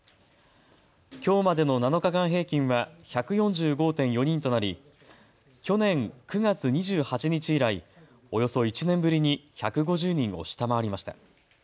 きょうまでの７日間平均は１４５．４人となり去年９月２８日以来、およそ１年ぶりに１５０人を下回りました。